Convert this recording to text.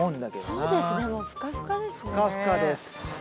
そうですねもうふかふかですね。